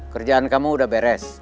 kerjaan kamu udah beres